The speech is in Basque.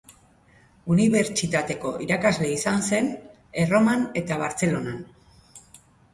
Unibertsitateko irakasle izan zen Erroman eta Bartzelonan.